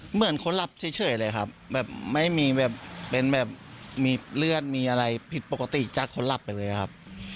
เหมือนคนหลับเฉยเลยครับแบบไม่มีแบบเป็นแบบมีเลือดมีอะไรผิดปกติจากคนหลับไปเลยครับ